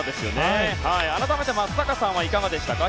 改めて松坂さんはいかがでしたか？